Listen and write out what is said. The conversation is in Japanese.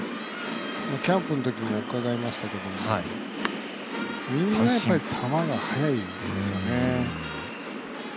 キャンプのときも伺いましたけどみんな球が速いですよね。